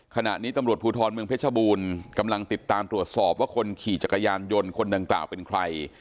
ขณะนี้ตำรวจภูทรเมืองเพชรบูรณ์กำลังติดตามตรวจสอบว่าคนขี่จักรยานยนต์คนดังกล่าวเป็นใคร